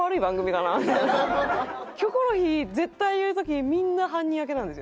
『キョコロヒー』絶対言う時みんな半ニヤけなんですよ。